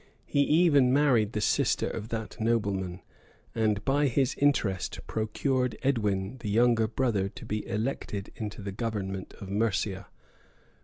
He even married the sister of that nobleman;[*] and by his interest procured Edwin, the younger brother, to be elected into the government of Mercia.